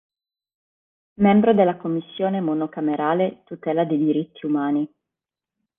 Membro della commissione monocamerale tutela dei diritti umani.